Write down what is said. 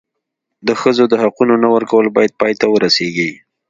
د ښځو د حقونو نه ورکول باید پای ته ورسېږي.